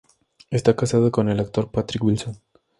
Está casada con el actor Patrick Wilson.